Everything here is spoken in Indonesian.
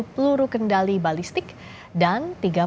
satu ratus dua puluh peluru kendali balistik dan tiga puluh rudal jelajah